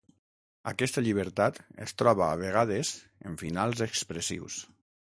Aquesta llibertat es troba a vegades en finals expressius.